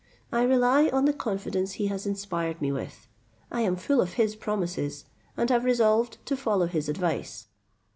I rely on the confidence he has inspired me with. I am full of his promises, and have resolved to follow his advice."